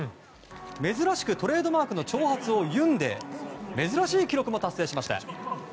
珍しくトレードマークの長髪を結って珍しい記録を達成しました。